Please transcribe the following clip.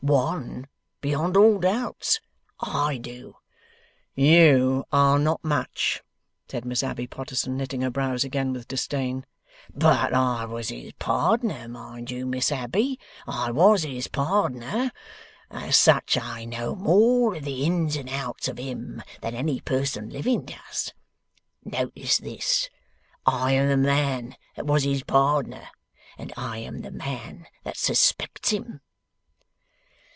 One, beyond all doubts. I do.' 'YOU are not much,' said Miss Abbey Potterson, knitting her brows again with disdain. 'But I was his pardner. Mind you, Miss Abbey, I was his pardner. As such I know more of the ins and outs of him than any person living does. Notice this! I am the man that was his pardner, and I am the man that suspects him.